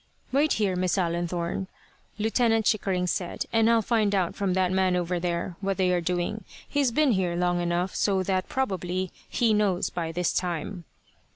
"Wait here, Miss Allenthorne," Lieutenant Chickering said, "and I'll find out from that man over there what they are doing. He's been here long enough so that probably he knows by this time."